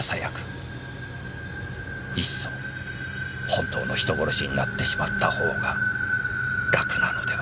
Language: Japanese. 「いっそ本当の人殺しになってしまったほうが楽なのでは？」